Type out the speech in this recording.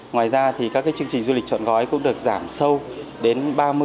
ngoài ra thì các chương trình du lịch chọn gói cũng được giảm sâu đến ba mươi năm mươi